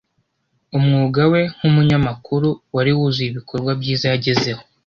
Umwuga we nkumunyamakuru wari wuzuye ibikorwa byiza yagezeho.